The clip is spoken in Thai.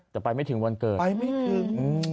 แต่ไปไม่ถึงวันเกิดไปไม่ถึง